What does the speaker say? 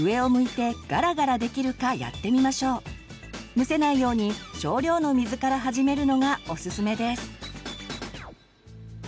むせないように少量の水から始めるのがおすすめです。